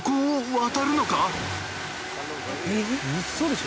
嘘でしょ？